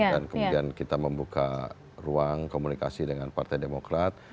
kemudian kita membuka ruang komunikasi dengan partai demokrat